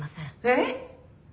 えっ！？